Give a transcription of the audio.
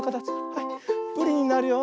はいプリンになるよ。